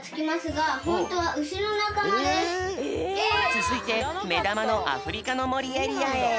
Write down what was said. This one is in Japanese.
つづいてめだまのアフリカのもりエリアへ。